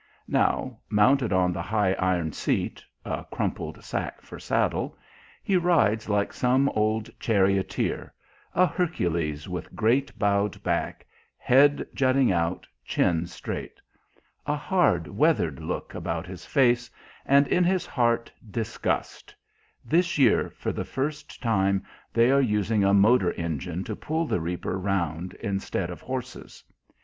Now, mounted on the high iron seat (a crumpled sack for saddle), he rides like some old charioteer, a Hercules with great bowed back, head jutting out, chin straight; a hard, weathered look about his face, and in his heart disgust this year, for the first time, they are using a motor engine to pull the reaper round instead of horses.